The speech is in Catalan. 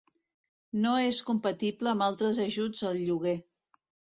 No és compatible amb altres ajuts al lloguer.